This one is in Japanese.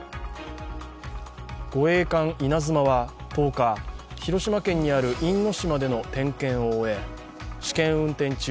護衛艦「いなづま」は１０日広島県にある因島での点検を終え、試験運転中